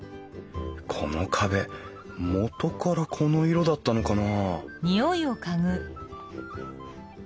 この壁元からこの色だったのかな？